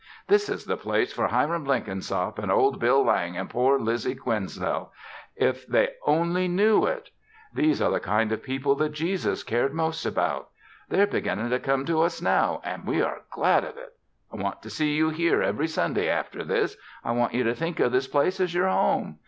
'This is the place for Hiram Blenkinsop and old Bill Lang and poor Lizzie Quesnelle, if they only knew it. Those are the kind of people that Jesus cared most about.' They're beginning to come to us now and we are glad of it. I want to see you here every Sunday after this. I want you to think of this place as your home.